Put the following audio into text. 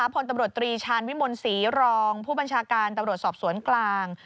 พลตำรวจตรีชาญวิมลศรีรองผู้บัญชาการตำรวจสอบสวนกลาง